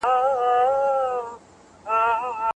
په افغانستان کې کلتور د خلکو په زړونو کې ځای لري.